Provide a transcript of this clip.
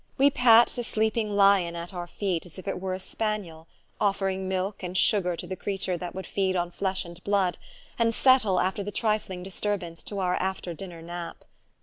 We pat the sleeping lion at our feet as if it were a spaniel, offering milk and sugar to the creature that would feed on flesh and blood, and settle, after the trifling disturbance, to our after dinner nap.